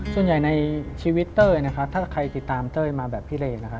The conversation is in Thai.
ส่วนใหญ่ในชีวิตเต้ยนะครับถ้าใครติดตามเต้ยมาแบบพิเลนะคะ